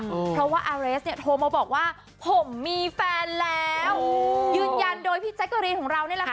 เพราะว่าอาเรสเนี่ยโทรมาบอกว่าผมมีแฟนแล้วยืนยันโดยพี่แจ๊กกะรีนของเรานี่แหละค่ะ